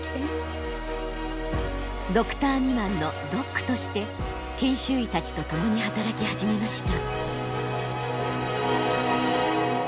ドクター未満のドックとして研修医たちと共に働き始めました。